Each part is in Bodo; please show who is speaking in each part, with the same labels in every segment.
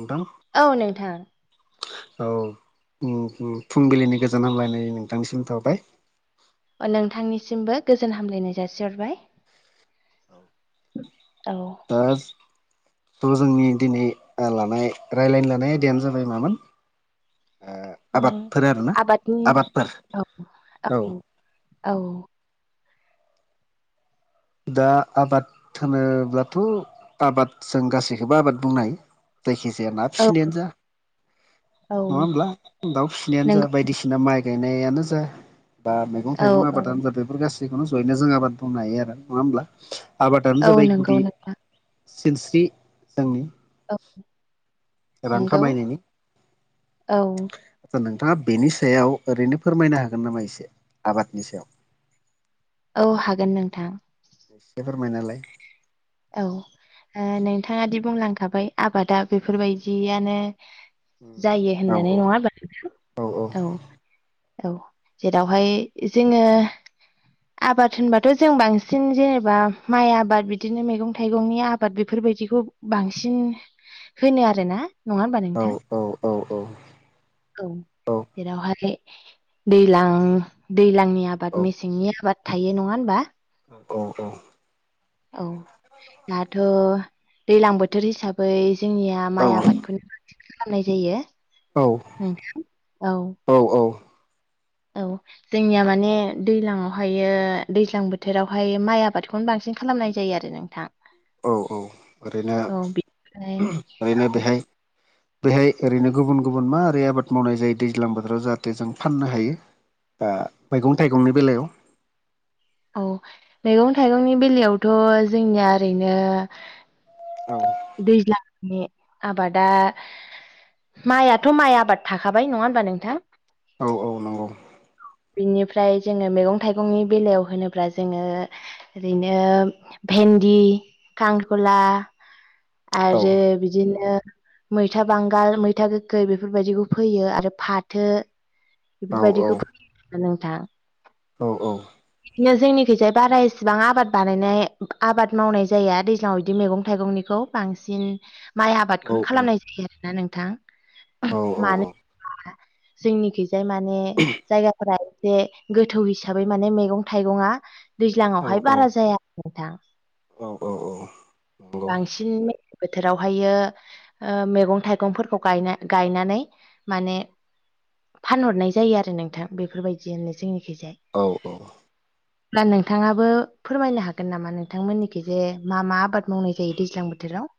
Speaker 1: नोंथां
Speaker 2: औ नोंथां
Speaker 1: औ फुंबिलिनि ओम गोजोन हामलायनाय नोंथांनिसिम थाबाय
Speaker 2: अ नोंथांनिसिमबो गोजोन हामलायनाय जासिहरबाय।
Speaker 1: औ
Speaker 2: औ
Speaker 1: दा थ' जोंनि दिनै लानाय राय्लायनो लानाय आयदायानो जाबाय मामोन
Speaker 2: उम
Speaker 1: आबादफोर आरोना
Speaker 2: आबादनि
Speaker 1: आबादफोर
Speaker 2: औ
Speaker 1: औ
Speaker 2: औ
Speaker 1: दा आबाद होनोब्लाथ' आबाद जों गासैखौबो आबाद बुंनो हायो। जायखिजाया ना
Speaker 2: औ
Speaker 1: फिसिनायानो जा
Speaker 2: औ
Speaker 1: नङा होमब्ला दाउ फिसिनायानो जा
Speaker 2: नंगौ
Speaker 1: बायदिसि बिना माइ गायनायानो जा बा मैगं
Speaker 2: औ
Speaker 1: थाइगं
Speaker 2: औ
Speaker 1: आबादानो जा बेफोर गासैखौनो जयैनो जों आबाद बुंनो हायो आरो नङा होमब्ला आबादानो
Speaker 2: औ
Speaker 1: जाबाय
Speaker 2: नंगौ
Speaker 1: गुदि
Speaker 2: नोंथां
Speaker 1: सिलस्रि जोंनि
Speaker 2: औ
Speaker 1: रां
Speaker 2: नंगौ
Speaker 1: खामायनायनि
Speaker 2: औ
Speaker 1: आदसा नोंथाङा बेनि सायाव ओरैनो फोरमायनो हागोन नामा एसे आबादनि सायाव
Speaker 2: औ हागोन नोंथां।
Speaker 1: एसे फोरमायना होलाय
Speaker 2: औ ओ नोंथाङा दि बुंलांखाबाय आबादा बेफोरबायदियानो जायो
Speaker 1: औ
Speaker 2: होननानै नङा ओमबा
Speaker 1: औ
Speaker 2: नोंथां औ औ जेरावहाय जोङो आबाद होनबाथ' जों बांसिन जेनेबा माइ आबाद बि दिनो मैगं थाइगंनि आबाद बेफोरबायदिखौ बांसिन होनो आरोना नङा ओमबा
Speaker 1: औ
Speaker 2: नोंथां?
Speaker 1: औ
Speaker 2: औ जेरावहाय दैलां दैलांनि नि आबाद मेसेंनि आबाद थायो नङा होनबा?
Speaker 1: औ औ
Speaker 2: औ दाथ' दैलां बोथोर हिसाबै जोंनिया माइ आबादखौनो खालामनाय जायो
Speaker 1: औ
Speaker 2: नोंथां औ
Speaker 1: औ औ
Speaker 2: औ जोंनिया माने दैज्लांवहायो दैज्लां बोथोरावहाय माइ आबादखौनो बांसिन खालामनाय जायो आरो नोंथां।
Speaker 1: औ औ ओरैनो
Speaker 2: औ बिनिफ्राय
Speaker 1: ओरैनो
Speaker 2: औ
Speaker 1: बेहाय बेहाय ओरैनो गुबुन गुबुन मा ओरै आबाद मावनाय जायो दैज्लां बोथोराव जाहाथे जों फाननो हायो। ओ मैगं थाइगंनि बेलायाव
Speaker 2: औ मैगं थाइगंनि बेलायावथ' जोंनिया ओरैनो
Speaker 1: औ
Speaker 2: दैज्लांनि आबादा माइआथ' माइ आबाद थाखाबाय नङा ओमबा नोंथां
Speaker 1: औ औ नंगौ।
Speaker 2: बिनिफ्राय जोङो मैगं थाइगंनि बेलायाव होनोब्ला जोङो ओरैनो भेन्दि खांखला
Speaker 1: औ
Speaker 2: आरो बिदिनो मैथा बांगाल मैथा गोखै बेफोरबायदिखौ फोयो आरो फाथो
Speaker 1: औ औ
Speaker 2: बेफोरबायदिखौ फोयो आरो [unintelligible] नोंथां
Speaker 1: औ औ
Speaker 2: बिदिनो जोंनिखैजाय बारा इसिबां आबाद बानायनाय आबाद मावनाय जाया दैज्लाङाव इदि मैगं थाइगंनिखौ बांसिन माइ
Speaker 1: औ
Speaker 2: आबादखौनो खालामनाय जायो आरोना नोंथां।
Speaker 1: औ औ औ
Speaker 2: जोंनिखि जाय माने जायगाफोरा एसे गोथौ हिसाबै माने मैगं थाइगङा
Speaker 1: औ
Speaker 2: दैज्लाङावहाय
Speaker 1: औ औ
Speaker 2: बारा जाया आरो नोंथां।
Speaker 1: औ औ औ नंगौ
Speaker 2: बांसिन मे [unintelligible] बोथोरावहायो ओ मैगं थाइगंफोरखौ गायना गायनानै माने फान हरनाय जायो आरो नोंथां बेफोरबायादिनो जोंनिखिजाय
Speaker 1: औ औ
Speaker 2: अब्ला नोंथाङाबो फोरमायनो हागोन नामा नोंथांमोननिखि जे मा मा आबाद मावनाय जायो दैज्लां बोथोराव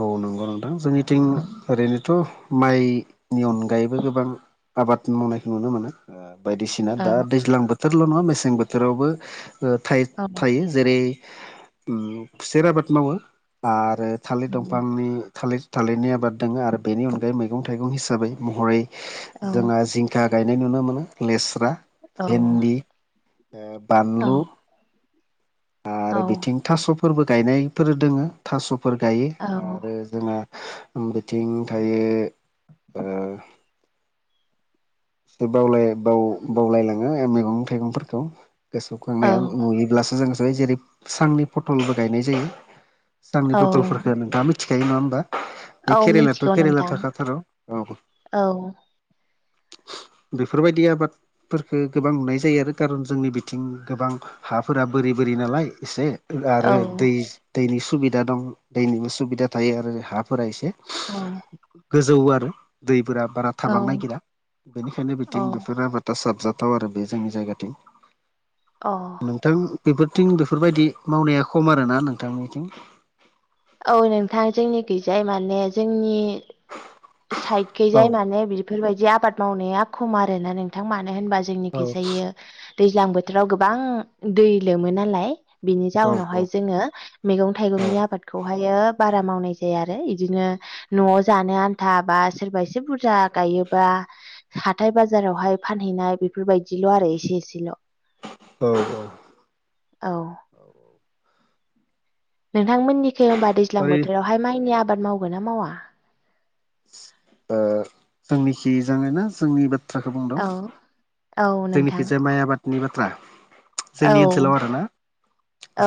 Speaker 1: औ नंगौ नों थां जोंनिथिं ओरैनोथ' माइनि अनगायैबो गोबां आबाद मावनायखौ नुनो मोनो ओ बायदिसि ना
Speaker 2: औ
Speaker 1: दैज्लां बोथोरल' नङा मेसें बोथोरावबो ओ थाय थायो जेरै खुसेर आबाद मावो आरो थालिर दंफांनि थालिर थालिरनि आबाद दोङो आरो बेनि अनगायै मैगं थाइगं हिसाबै महरै
Speaker 2: औ
Speaker 1: जोङो जिंखा गायनाय नुनो मोनो लेस्रा
Speaker 2: औ
Speaker 1: भेन्दि ओ
Speaker 2: औ
Speaker 1: बानलु
Speaker 2: औ
Speaker 1: आरो बिथिं थास'फोरबो गायनायफोर दोङो थास'फोर गायो
Speaker 2: औ
Speaker 1: आरो जोङा बिथिं थायो ओ ए बावलाय बाव बावलायलाङो ओ मैगं थाइगंफोरखौ
Speaker 2: औ
Speaker 1: गोसोखांनाया नुयोब्लासो जों जै जेरै सांनि फटलबो गायनाय जायो सांनि
Speaker 2: औ
Speaker 1: बथलफोरखौ नोंथाङा मिथिखायो नङा होनबा
Speaker 2: औ
Speaker 1: बे केरेलायाथ'
Speaker 2: मिथिगौ
Speaker 1: केरेला
Speaker 2: नोंथां
Speaker 1: थाखाथारो औ
Speaker 2: औ
Speaker 1: बेफोरबायदि आबाद फोरखो गोबां नुनाय जायो आरो खारन जोंनि बिथिं गोबां हाफोरा बोरि बोरि नालाय एसे आरो
Speaker 2: औ
Speaker 1: दै दैनि सुबिदा दं दैनिबो सुबिदा थायो आरो हाफोरा एसे
Speaker 2: औ
Speaker 1: गोजौ आरो दैफोरा बारा
Speaker 2: औ
Speaker 1: थाबां नागिरा बेनिखायनो
Speaker 2: औ
Speaker 1: बिथिं बेफोर आबाद दा साबजाथाव आरो बे जोंनि जायगाथिं
Speaker 2: अ
Speaker 1: नोंथां बेफोरथिं बेफोरबायदि मावनाया खम आरोना नोंथांनिथिं
Speaker 2: औ नोंथां जोंनि खैजाय माने जोंनि साइद
Speaker 1: औ
Speaker 2: खैजाय माने बेफोरबायदि आबाद मावनाया खम आरोना नोंथां मानो होनबा
Speaker 1: औ
Speaker 2: जोंनिखैजायो दैज्लां बोथोराव गोबां दै लोमो नालाय बिनि
Speaker 1: औ
Speaker 2: जाउनावहाय
Speaker 1: औ
Speaker 2: जोङो मैगं थाइगंनि आबादखौहायो बारा मावनाय जाया आरो इदिनो न'आव जानो थ बा सोरबा एसे बुरजा गायोबा हाथाय बाजारावहाय फानहैनाय बेफोरबायदिल' आरो एसे एसेल'
Speaker 1: औ औ
Speaker 2: औ नोंथांमोननिखै होनोबा दैज्लां
Speaker 1: ओरै
Speaker 2: बोथोरावहाय माइनि आबाद मावगोन ना मावा
Speaker 1: जोंनिखि जा ना जोंनि बाथ्राखौ बुंदों
Speaker 2: औ औ नोंथां
Speaker 1: जोंनिखिजाय माइ आबादनि बाथ्रा
Speaker 2: औ
Speaker 1: जोंनि ओनसोलाव आरोना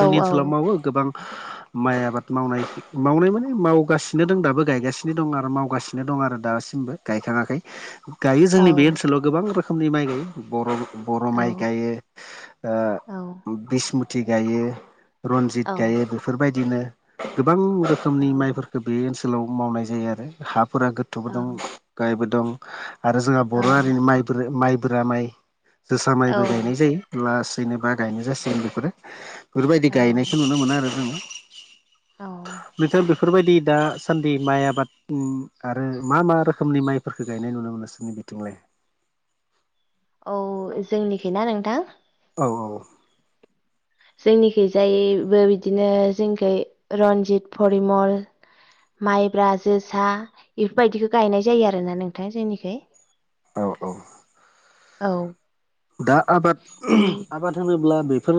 Speaker 2: औ औ
Speaker 1: ओनसोलाव मावो गोबां माइ आबाद मावनाय मावनाय माने मावगासिनो दं दाबो गायगासिनो दं आरो मावगासिनो दं आरो दासिमबो गायखाङाखै गायो
Speaker 2: औ
Speaker 1: जोंनि बे ओनसोलाव गोबां रोखोमनि माइ गायो बर' बर'
Speaker 2: औ
Speaker 1: माइ गायो
Speaker 2: औ
Speaker 1: बिसमुथि गायो रनजित
Speaker 2: औ
Speaker 1: गायो बेफोरबायदिनो गोबां रोखोमनि माइफोरखौ बे ओनसोल ओनसोलाव मावनाय जायो आरो हाफोरा गोथौबो
Speaker 2: औ
Speaker 1: दं गाहायबो दं आरो जोंहा बर' हारिनि माइ माइबोरा माइ जोसा माइबो गायनाय जायो लासैनोबा गायनाय जासिगोन बेफोरो बेफोरबायदि
Speaker 2: औ
Speaker 1: गायनायखौ नुनो मोनो आरो जोङो
Speaker 2: औ
Speaker 1: बेफोरबायदि दासान्दि माइ आबाद आरो मा मा रोखोमनि माइफोरखौ गायनाय नुनो मोनो सार नोंसोरनि थिंलाय
Speaker 2: औ जोंनिखै ना नोंथां
Speaker 1: औ औ
Speaker 2: जोंनिखै जायैबो बिदिनो जोंनिखै रन्जित परिमल माइब्रा जोसा बेफोरबायदिखौ गायनाय जायो आरो ना नोंथां जोंनिखाय
Speaker 1: औ औ
Speaker 2: औ
Speaker 1: दा आबाद आबाद होनोब्ला बेफोर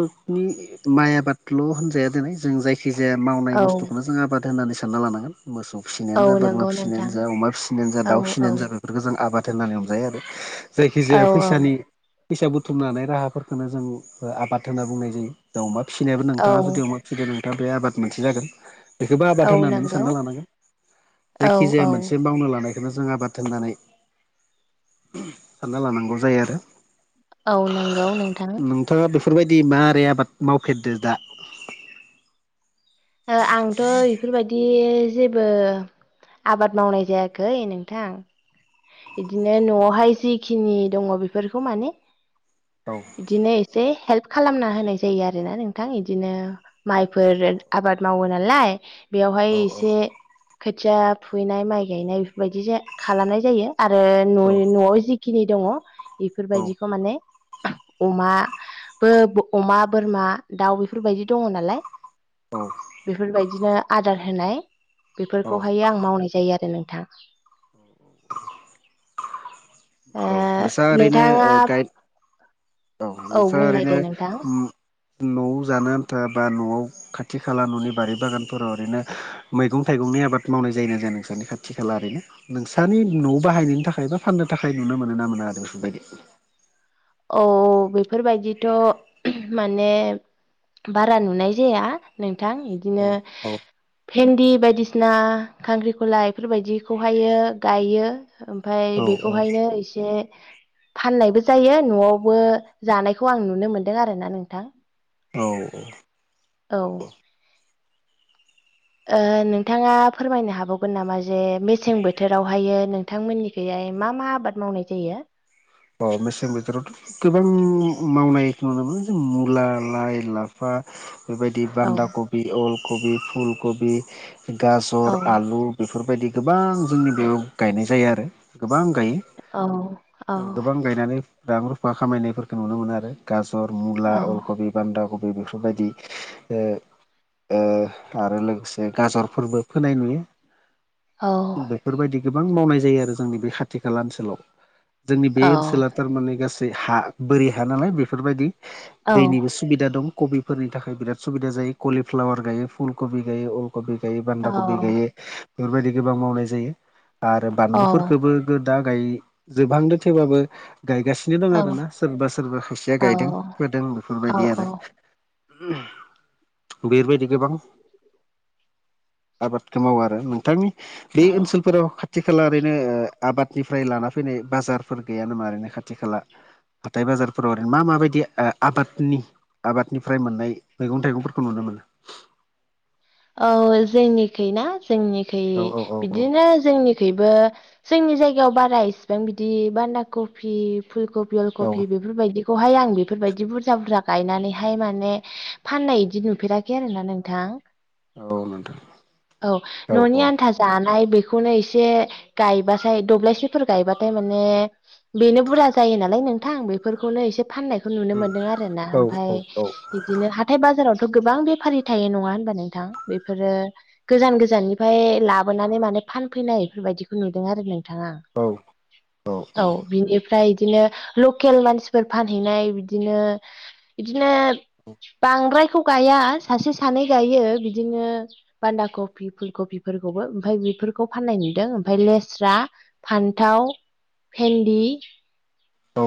Speaker 1: माइ आबादल' होनजाया दिनै जों जायखि जाया मावनाय
Speaker 2: औ
Speaker 1: बुस्थुखौनो जों आबाद होननानै सानना लानांगोन मोसौ
Speaker 2: औ
Speaker 1: फिसिनायानो जा बोरमा
Speaker 2: नंगौ नोंथां
Speaker 1: फिसिनायानो जा अमा फिसिनायानो जा
Speaker 2: औ
Speaker 1: दाउ
Speaker 2: औ
Speaker 1: फिसिनायानो जाबाय बेफोरखौ जों आबाद होनानै हमजायो आरो जायखि
Speaker 2: औ
Speaker 1: जाया
Speaker 2: औ
Speaker 1: फैसानि फैसा बुथुमनानै राहाफोरफोरखौननो जों आबाद होनना बुंनाय जायो दाउ अमा फिसिनायाबो नोंथाङा
Speaker 2: औ
Speaker 1: जुदि फिसिदों नोंथाङा बे आबाद मोनसे जागोन। बेखौबो
Speaker 2: औ
Speaker 1: आबाद होननानै
Speaker 2: नंगौ
Speaker 1: सानना लानांगोन
Speaker 2: औ औ
Speaker 1: जायखिजाया मोनसे मावनो लानायाय बेखौनो जों आबाद होननानै सानना लानांगौ जायो आरो।
Speaker 2: औ नंगौ नोंथां
Speaker 1: नोंथाङा बेफोरबायदि मारै आबाद मावफेरदो दा
Speaker 2: ओ आंथ' इफोरबायदि जेबो आबाद मावनाय जायाखै नोंथां बिदिनो न'आवहाय जिखिनि दङ बेफोरखौ माने
Speaker 1: औ
Speaker 2: इदिनो एसे हेल्प खालामना होनाय जायो आरोना नोंथां इदिनो माइफोर आबाद मावो नालाय बेयावहाय एसे खोथिया फुहैनाय माइ गायनाय बेफोरबायदि खालामनाय जायो आरो न
Speaker 1: औ
Speaker 2: न'आव जि खिनि दङ
Speaker 1: औ
Speaker 2: बेफोरबायदिखौ माने अमा बो अमा बोरमा दाउ बेफोरबायदि दङ नालाय
Speaker 1: औ
Speaker 2: बेफोरबायदिनो आदार होनाय बेफोरखौहाय आं मावनाय जायो आरो नोंथां। ओ
Speaker 1: [unintelligible] औ नोंसा ओरैनो
Speaker 2: नोंथाङा
Speaker 1: गाइड
Speaker 2: औ
Speaker 1: नोंसा
Speaker 2: बुंलाय
Speaker 1: ओरैनो
Speaker 2: दे नोंथां
Speaker 1: उम न'आव जानो आन्था बा न'आव खाथि खाला न'नि बारि बागानफोराव ओरैनो मैगं थाइगंनि आबाद मावनाय जायोना जाया नोंसोरनि खाथि खाला ओरैनो नोंसानि न'आव बाहायनायनि थाखाय बा फाननो थाखाय नुनो मोनोना मोना आरो बेफोरबायदि
Speaker 2: औ बेफोरबायदिथ' माने बारा नुनाय जाया नोंथां इदिनो
Speaker 1: औ औ
Speaker 2: भेन्दि बायदिसिना खांख्रिखला बेफोरबायदिखौहायो गायो। ओमफ्राय
Speaker 1: औ
Speaker 2: बेखौहायनो एसे फाननायबो जायो। न'आवबो जानायखौ आं नुनो मोन्दों आरोना नोंथां।
Speaker 1: औ औ
Speaker 2: औ ओ नोंथाङा फोरमायनो हाबावगोन नामा जे मेसें बोथोरावहायो नों नोंथां मोननिखैहाय मा मा आबाद मावनाय जायो।
Speaker 1: अ मेसें बोथोरावथ' गोबां मावनायखौ नुनो मोनो जे मुला लाइ लाफ बा बेबायदि
Speaker 2: औ
Speaker 1: बान्दा कबि अल कबि फुलकबि
Speaker 2: औ
Speaker 1: गाजर आलु बेफोरबायदि गोबां जोंनि बेयाव गायनाय जायो आरो गोबां गायो।
Speaker 2: औ औ
Speaker 1: गोबां गायनानै रां रुफा खामायनायफोरखौ नुनो मोनो आरो गाजर मुला
Speaker 2: औ
Speaker 1: अलकबि बान्दा कबि बेफोरबायदि ओ ओ आरो लोगोसे नो गाजरफोरबो फोनाय
Speaker 2: औ
Speaker 1: नुयो। बेफोरबायदि गोबां मावनाय जायो आरो जोंनि बे खाथि खाला ओनसोलाव जोंनि बे
Speaker 2: औ
Speaker 1: ओनसोला थारमाने गासै हा बोरि हा नालाय बेफोरबायदि
Speaker 2: औ
Speaker 1: दैनिबो सुबिदा दं कबिफोरनि थाखाय बिराद सुबिदा जायो कलिफ्लावार गायो फुलकबि गायो अल कबि गायो बान्दा कबि गायो बेफोरबायदि गोबां मावनाय जायो आरो बानलुफोरखौबो दा गाय जोबहांदो थेबाबो गायगासि नो दं
Speaker 2: औ
Speaker 1: आरो ना सोरबा सोरबा खायसेया गायदों फोदों
Speaker 2: औ
Speaker 1: बेफोरबायदि आरो
Speaker 2: औ
Speaker 1: [unintelligible] बेफोरबायदि गोबां आबादखो मावो आरो नोंथांनि बे
Speaker 2: औ
Speaker 1: ओनसोलफोराव खाथि खाला ओरैनो आबादनिफ्राय लाना फैनाय बाजारफोर गैया नामा ओरैनो खाथि खाला हाथाय बाजारफोराव ओरैनो मा माबायदि ओ आबादनि आबादनिफ्राय मोननाय मैगं थाइगंफोरखौ नुनो मोनो
Speaker 2: औ जोंनिखै ना जोंनिखै
Speaker 1: औ औ
Speaker 2: बिदिनो जोंनिखैबो जोंनि जायगायाव बारा इसिबां बिदि बान्दा कफि फुलकबि अल
Speaker 1: औ
Speaker 2: कफि बेफोरबायदि खौहाय आं बेफोरबायदि बुरजा बुरजा गायनानैहाय माने फाननाय इदि नुफेराखै आरोना नोंथां
Speaker 1: औ नोंथां
Speaker 2: औ
Speaker 1: औ औ
Speaker 2: न'नि आ नथा जानाय बेखौनो एसे गायबथाय दब्लायसेफोर गायबाथाय माने बेनो बुरजा जायो नालाय नोंथां बेफोरखौनो एसे फाननायखौ नुनो मोनदों आरो ना
Speaker 1: औ औ नोंथां औ
Speaker 2: आमफाय बिदिनो हाथाय बाजारावथ' गोबां बेफारि थायो नङा होनबा नोंथां बेफोरो गोजान गोजाननिफ्राय लाबोनानै माने फानफैनाय बेफोरबायदिखौ नुदों आरो नोंथां आं
Speaker 1: औ औ
Speaker 2: औ बिनिफ्राय इदिनो लकेल मानसिफोर फानहैनाय इदिनो बिदिनो बांद्रायखौ गाया सासे सानै गायो बिदिनो बान्दा कफि फुल कफिफोरखौबो ओमफाय बेफोरखौ फाननाय नुदों आमफाय लेस्रा फान्थाव भेन्दि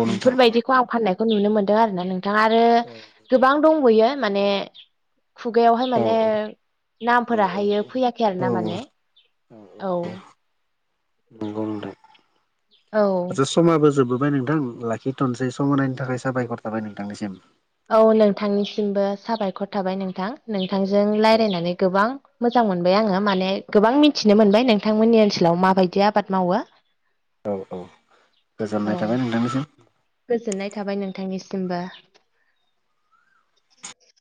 Speaker 2: बेफोरबायदिखौ आं फाननायखौ नुनो मोनदों आरोना नोंथां आरो गो बां दंबोयो माने खुगायावहाय माने
Speaker 1: औ
Speaker 2: नामफोराहायो फैयाखै
Speaker 1: औ
Speaker 2: आरोना माने औ
Speaker 1: नंगौ
Speaker 2: औ
Speaker 1: नोंथां [unintelligible] समाबो जोबोबाय नोंथां लाखिथ'नसै समनि थाखाय साबायखर थाबाय नोंथांनिसिम
Speaker 2: औ नोंथांनिसिमबो साबायखर थाबाय नोंथां नोंथांजों लायरायनानै गोबां मोजां मोनबाय आङो माने गोबां मिन्थिनो मोनबाय नों थांमोननि ओनसोलाव माबायदि आबाद मावो
Speaker 1: उम गोजोननाय
Speaker 2: औ
Speaker 1: थाबाय नोंथांनिसिम
Speaker 2: गोजोननाय थाबाय नोंथांनिसिमबो [inaudible]